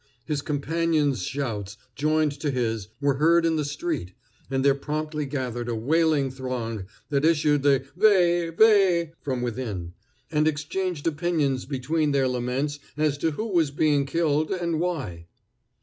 His companions' shouts, joined to his, were heard in the street, and there promptly gathered a wailing throng that echoed the "Weh! Weh!" from within, and exchanged opinions between their laments as to who was being killed, and why.